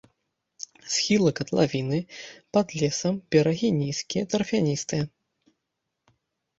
Схілы катлавіны пад лесам, берагі нізкія, тарфяністыя.